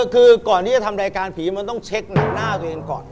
คือก่อนที่จะทำรายการผีมันต้องเช็คหนังหน้าตัวเองก่อน